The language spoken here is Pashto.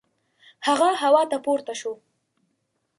هغه هوا ته پورته شو.